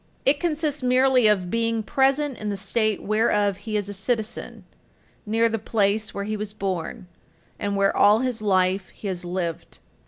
It consists merely of being present in the state whereof he is a citizen, near the place where he was born, and where all his life he has lived.